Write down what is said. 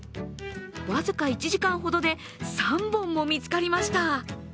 僅か１時間ほどで３本も見つかりました。